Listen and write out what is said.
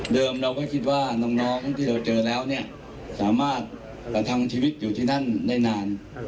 เราก็คิดว่าน้องที่เราเจอแล้วเนี่ยสามารถประทังชีวิตอยู่ที่นั่นได้นาน